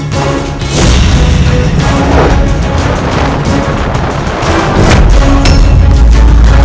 kau akan dicacau